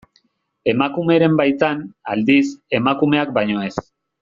Emakumeren baitan, aldiz, emakumeak baino ez.